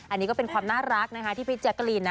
อันนี้ก็เป็นความน่ารักนะคะที่พี่แจ๊กกะลีนนะ